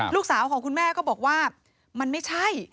ลูกสาวของคุณแม่ก็บอกว่ามันไม่ใช่